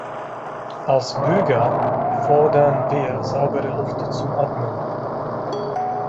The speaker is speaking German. Als Bürger fordern wir saubere Luft zum Atmen.